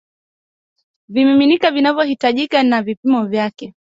vimiminika vinavyohitajika na vipimo vyake